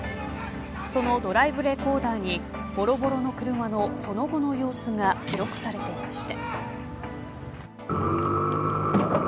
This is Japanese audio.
そのドライブレコーダーにぼろぼろの車のその後の様子が記録されていました。